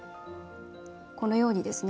このようにですね